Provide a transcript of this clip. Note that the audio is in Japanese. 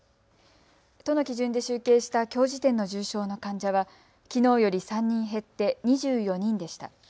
都の基準で集計したきょう時点の重症の患者はきのうより３人減って２４人でした。